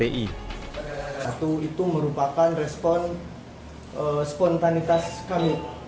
bendera yang terduga itu merupakan respon spontanitas kami